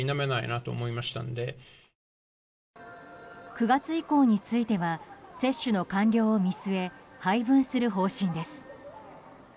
９月以降については接種の完了を見据え配分する方針です。